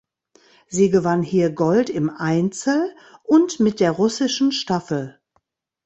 Sie gewann hier Gold im Einzel und mit der russischen Staffel.